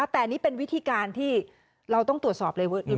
แต่นี่เป็นวิธีการที่เราต้องตรวจสอบเลย